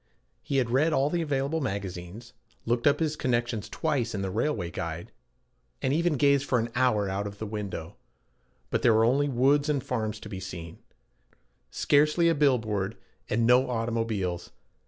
He had read all the available magazines, looked up his connections twice in the railway guide, and even gazed for an hour out of the window. But there were only woods and farms to be seen, scarcely a bill board, and no automobiles.